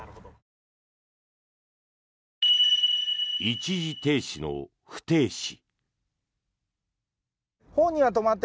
一時停止の不停止。